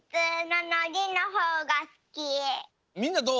みんなどう？